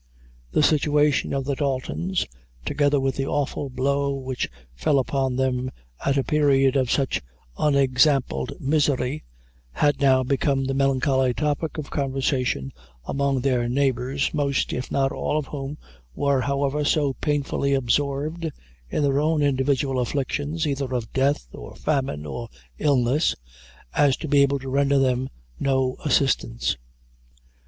The situation of the Daltons, together with the awful blow which fell upon them at a period of such unexampled misery, had now become the melancholy topic of conversation among their neighbors, most, if not all, of whom were, however, so painfully absorbed in their own individual afflictions either of death, or famine, or illness, as to be able to render them no assistance.